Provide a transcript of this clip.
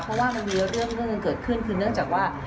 เพราะว่ามันเยอะเยื่อมเมื่อเกินเกือบขึ้นคือเนื่องจากว่า